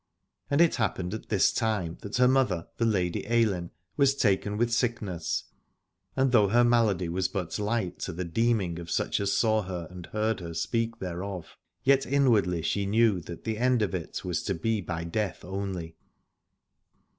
And it happened at this time that her mother, the Lady Ailinn, was taken with sickness, and though her malady was but light to the deeming of such as saw her and heard her speak thereof, yet inwardly she knew that the end of it was to be by death only.